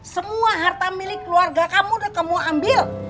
semua harta milik keluarga kamu udah kamu ambil